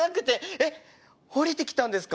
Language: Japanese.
えっ降りてきたんですか？